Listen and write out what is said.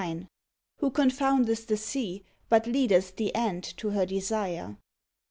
Who confoundeth the sea, but leadeth the ant to her desire. 10.